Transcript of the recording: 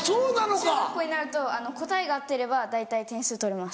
中学校になると答えが合ってれば大体点数取れます。